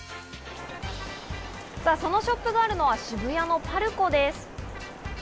そのショップがあるのは渋谷のＰＡＲＣＯです。